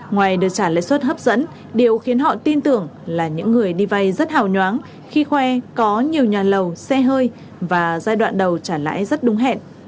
ngoài được trả lãi suất hấp dẫn điều khiến họ tin tưởng là những người đi vay rất hào nhoáng khi khoe có nhiều nhà lầu xe hơi và giai đoạn đầu trả lãi rất đúng hẹn